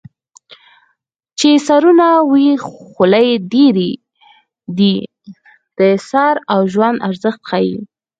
چې سرونه وي خولۍ ډېرې دي د سر او ژوند ارزښت ښيي